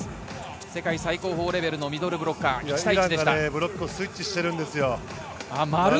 世界最高峰レベルのミドルブロッカー。